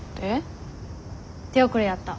手遅れやった。